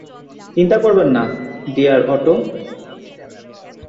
চিন্তা করবেন না, ডিয়ার অটো।